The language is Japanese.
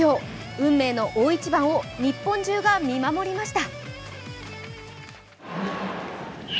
運命の大一番を日本中が見守りました。